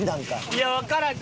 いやわからん。